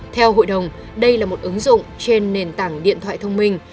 theo hội đồng đây là một ứng dụng trên nền tảng điện thoại thông minh